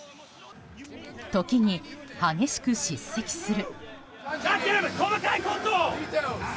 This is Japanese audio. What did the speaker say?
時に激しく叱責する。